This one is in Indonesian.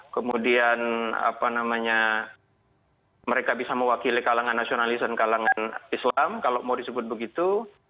kemudian mereka bisa mewakili kalangan nasionalis dan kalangan islam kalau mau disebut begitu